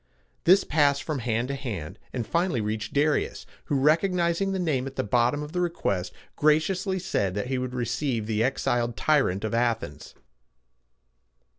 This passed from hand to hand, and finally reached Darius, who, recognizing the name at the bottom of the request, graciously said that he would receive the exiled tyrant of Athens.